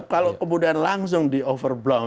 kalau kemudian langsung di overblong